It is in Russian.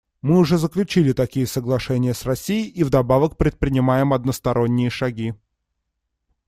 Мы уже заключили такие соглашения с Россией и вдобавок предпринимаем односторонние шаги.